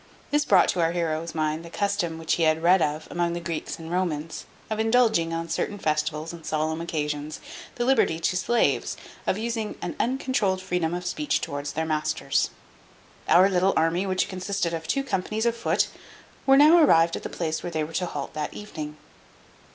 This brought to our heroe's mind the custom which he had read of among the Greeks and Romans, of indulging, on certain festivals and solemn occasions, the liberty to slaves, of using an uncontrouled freedom of speech towards their masters. Our little army, which consisted of two companies of foot, were now arrived at the place where they were to halt that evening.